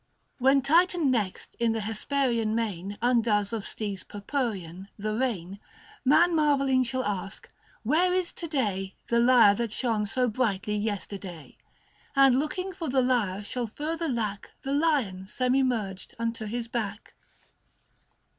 When Titan next in the Hesperian main Undoes of steeds purpurean, the rein, Man marvelling shall ask, where is to day The Lyre that shone so brightly yesterday ? And looking for the Lyre shall further lack The Lion semi merged unto his back.